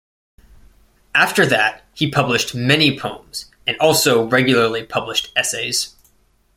After that, he published many poems, and also regularly published essays.